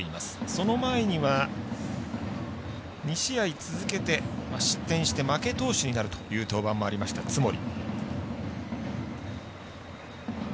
その前には２試合続けて失点して負け投手になるという登板もありました、津森。